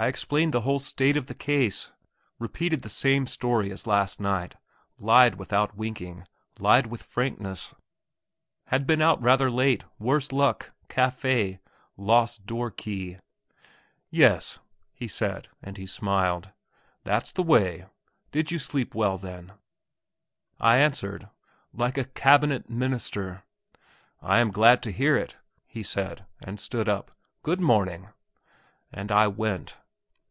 I explained the whole state of the case, repeated the same story as last night, lied without winking, lied with frankness had been out rather late, worse luck ... café ... lost door key.... "Yes," he said, and he smiled; "that's the way! Did you sleep well then?" I answered, "Like a Cabinet Minister like a Cabinet Minister!" "I am glad to hear it," he said, and he stood up. "Good morning." And I went!